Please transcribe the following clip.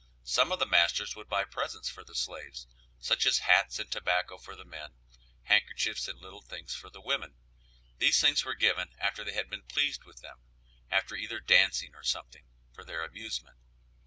Some of the masters would buy presents for the slaves, such as hats and tobacco for the men, handkerchiefs and little things for the women; these things were given after they had been pleased with them; after either dancing or something for their amusement.